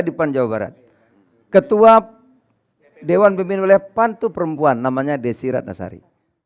di panjawa barat ketua dewan pimpin oleh pantu perempuan namanya desirat nasari